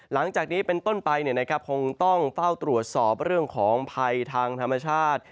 หลังจากนี้เป็นต้นไปคงต้องเฝ้าตรวจสอบเรื่องของภัยทางธรรมชาติ